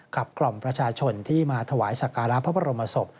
กับกล่อมประชาชนที่มาถวายสการพระพระรมศพ